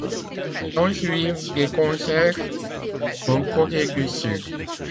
S'ensuivent des concerts en Corée du Sud.